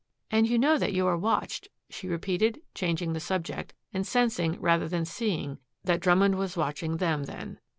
"And you know that you are watched," she repeated, changing the subject, and sensing rather than seeing that Drummond was watching them then.